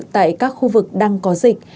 tại các khu vực đang có dịch